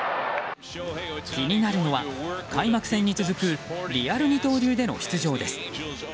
気になるのは開幕戦に続くリアル二刀流での出場です。